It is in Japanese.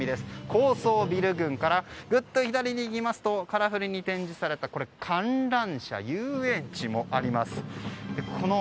高層ビル群からぐっと左に行きますとカラフルに展示された観覧車遊園地もあります。